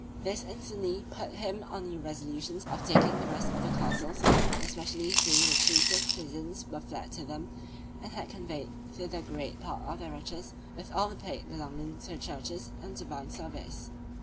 This instantly put him on new resolutions of taking the rest of the castles, especially seeing the chiefest citizens were fled to them, and had conveyed thither great part of their riches, with all the plate belonging to the churches and divine service.